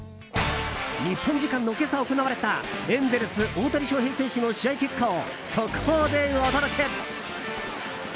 日本時間の今朝行われたエンゼルス、大谷翔平選手の試合結果を速報でお届け！